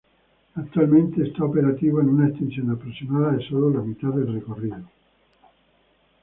Actualmente está operativo en una extensión aproximada de solo la mitad del recorrido.